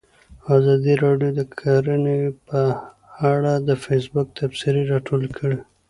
ازادي راډیو د کرهنه په اړه د فیسبوک تبصرې راټولې کړي.